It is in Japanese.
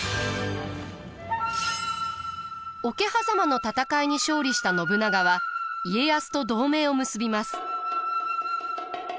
桶狭間の戦いに勝利した信長は家康と同盟を結びます。